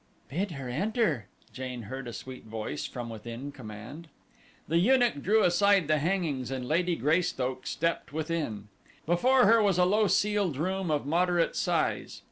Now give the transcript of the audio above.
"Bid her enter," Jane heard a sweet voice from within command. The eunuch drew aside the hangings and Lady Greystoke stepped within. Before her was a low ceiled room of moderate size.